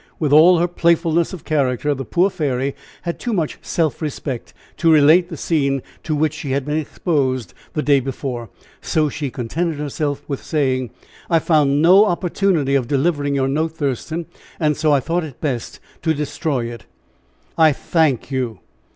With all her playfulness of character, the poor fairy had too much self respect to relate the scene to which she had been exposed the day before. So she contented herself with saying: "I found no opportunity of delivering your note, Thurston, and so I thought it best to destroy it." "I thank you.